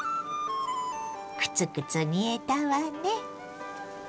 クツクツ煮えたわね。